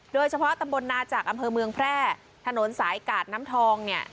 โดยเฉพาะตำบลนาจากอำเภอเมืองแพร่ถนนสายกาดน้ำทองเนี่ย